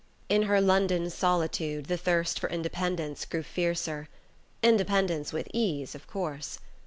In her London solitude the thirst for independence grew fiercer. Independence with ease, of course.